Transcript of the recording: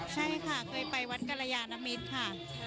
ใช่ค่ะเคยไปวัดกรยานมิตรค่ะ